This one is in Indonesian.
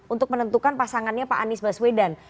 untuk menentukan pasangannya pak anies baswedan